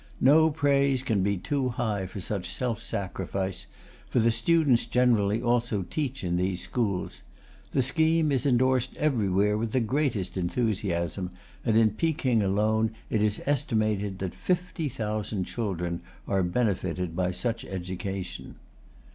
No praise can be too high for such self sacrifice, for the students generally also teach in these schools. The scheme is endorsed everywhere with the greatest enthusiasm, and in Peking alone it is estimated that fifty thousand children are benefited by such education.